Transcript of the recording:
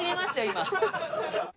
今。